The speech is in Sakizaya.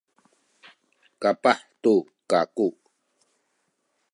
kapah tu kaku